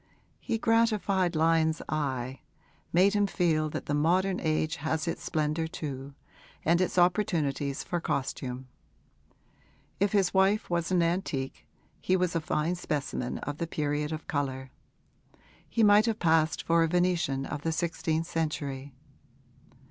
He gratified Lyon's eye, made him feel that the modern age has its splendour too and its opportunities for costume. If his wife was an antique he was a fine specimen of the period of colour: he might have passed for a Venetian of the sixteenth century.